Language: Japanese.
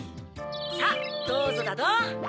さぁどうぞだどん！